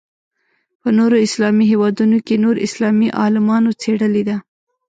په نورو اسلامي هېوادونو کې نور اسلامي عالمانو څېړلې ده.